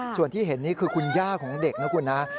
ส่วนที่เห็นคือคุณย่าของเด็กนะครับ